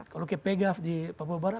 kalau ke pgaf di papua barat